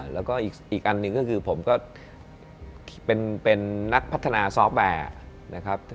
แล้วก็อีกอันนึงก็คือผมเป็นนักพัฒนาซอฟต์แบร์